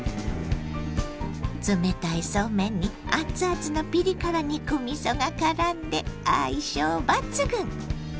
冷たいそうめんに熱々のピリ辛肉みそがからんで相性抜群！